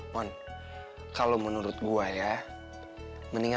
dan kau mencari dia